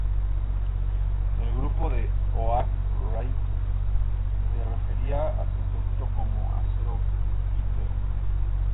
El grupo de Oak Ridge se refería a su producto como "acero vítreo".